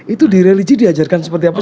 itu di religi diajarkan seperti apa